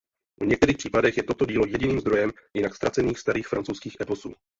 V některých případech je toto dílo jediným zdrojem jinak ztracených starých francouzských eposů.